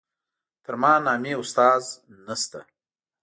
تر ما نامي استاد نشته.